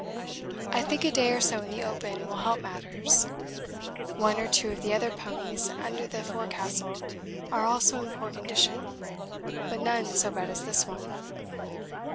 I think a day or so in the open will help matters; one or two of the other ponies under the forecastle are also in poor condition, but none so bad as this one.